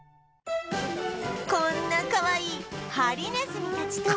こんなかわいいハリネズミたちと